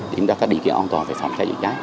kiểm tra các địa kiện an toàn về phòng cháy chữa cháy